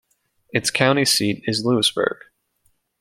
Its county seat is Lewisburg.